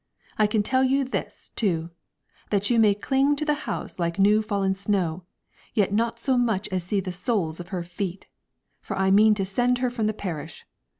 I can tell you this, too, that you may cling to the house like new fallen snow, yet not so much as see the soles of her feet; for I mean to send her from the parish.